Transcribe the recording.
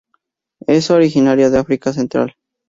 Es originaria de África central.